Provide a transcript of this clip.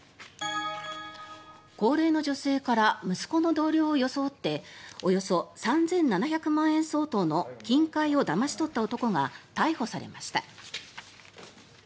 高齢の女性から息子の同僚を装っておよそ３７００万円相当の金塊をだまし取った男が逮捕されました。